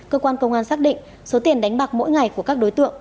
cơ quan công an xác định số tiền đánh bạc mỗi ngày của các đối tượng